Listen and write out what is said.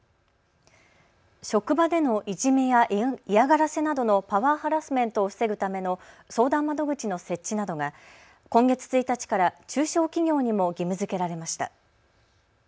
職場でのいじめや嫌がらせなどのパワーハラスメントを防ぐための相談窓口の設置などが今月１日から中小企業にも義務づけられました。